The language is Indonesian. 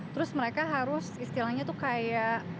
terus mereka harus istilahnya tuh kayak